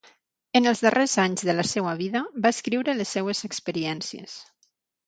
En els darrers anys de la seua vida va escriure les seues experiències.